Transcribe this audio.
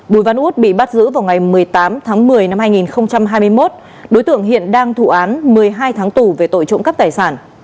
bùi văn út bị bắt giữ vào ngày một mươi tám tháng một mươi năm hai nghìn hai mươi một đối tượng hiện đang thụ án một mươi hai tháng tù về tội trộm cắp tài sản